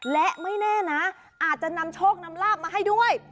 และไม่แน่นะอาจจะนำโชคนำลาบมาให้ด้วย